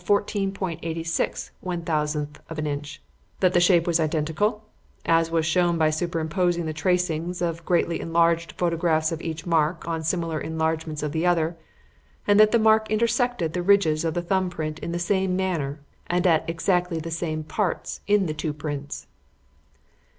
86/1000 of an inch; that the shape was identical, as was shown by superimposing tracings of greatly enlarged photographs of each mark on similar enlargements of the other; and that the mark intersected the ridges of the thumb print in the same manner and at exactly the same parts in the two prints."